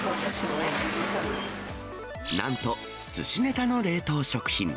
なんと、すしネタの冷凍食品。